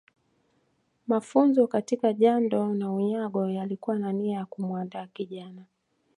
Mafunzo katika jando na unyago yalikuwa na nia ya kumuandaa kijana